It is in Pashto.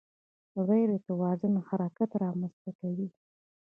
غیر توازن حرکت رامنځته کوي.